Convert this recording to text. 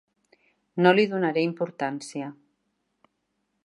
No li donaré importància.